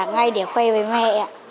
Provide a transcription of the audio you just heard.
ngay để khuây với mẹ